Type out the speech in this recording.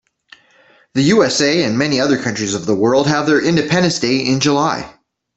The USA and many other countries of the world have their independence day in July.